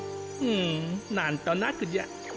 うんなんとなくじゃ。